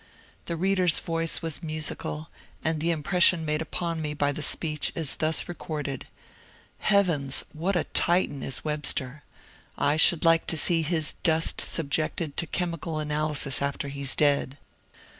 The read er's voice was musical, and the impression made upon me by the speech is thus recorded :^^ Heavens, what a Titan is Web ster I I should like to see his dust subjected to chemical anal ysis after he 's dead."